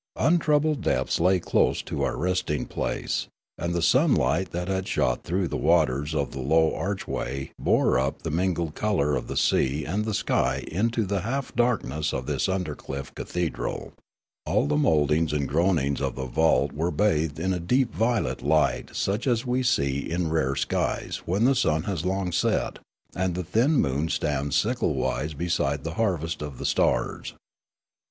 Untroubled depths lay close to our resting place ; and the sunlight that shot through the waters of the low archway bore up the mingled colour of the sea and the sky into the half darkness of this undercliff cathedral ; all the mouldings and groinings of the vault were 303 304 Riallaro bathed in a deep violet light such as we see in rare skies when the sun has long set, and the thin moon stands sicklewise beside the harvest of the stars.